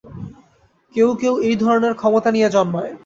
কেউ-কেউ এ-ধরনের ক্ষমতা নিয়ে জন্মায়।